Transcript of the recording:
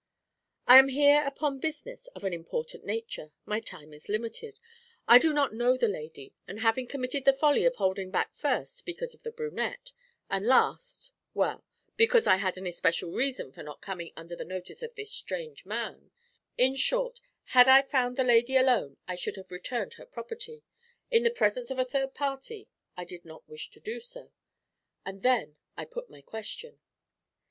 I am here upon business of an important nature; my time is limited; I do not know the lady; and having committed the folly of holding back first because of the brunette, and last well, because I had an especial reason for not coming under the notice of this strange man in short, had I found the lady alone I should have returned her property; in the presence of a third party I did not wish to do so; and then I put my question.